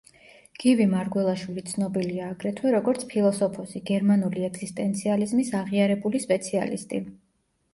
გივი მარგველაშვილი ცნობილია აგრეთვე როგორც ფილოსოფოსი, გერმანული ეგზისტენციალიზმის აღიარებული სპეციალისტი.